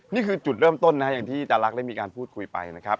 นี่คือจุดเริ่มต้นนะครับอย่างที่อาจารักได้มีการพูดคุยไปนะครับ